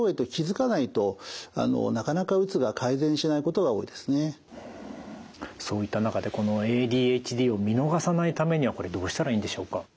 その場合ですねそういった中でこのＡＤＨＤを見逃さないためにはこれどうしたらいいんでしょうか？